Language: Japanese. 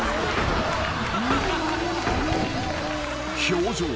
［表情。